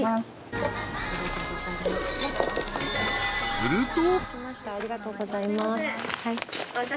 ［すると］